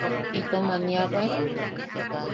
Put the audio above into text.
¿Itom aniabae?